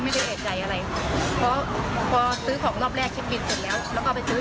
ตอนนี้เท่ากับว่าตำรวจก็มีภาพหลักฐานจากกล้องวงจักร